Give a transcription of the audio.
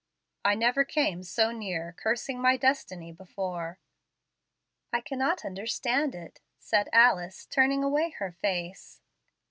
I never came so near cursing my destiny before." "I cannot understand it," said Alice, turning away her face.